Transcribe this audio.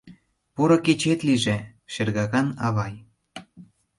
«Поро кечет лийже, шергакан авай.